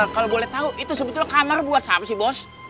kalau boleh tahu itu sebetulnya kamar buat saham si bos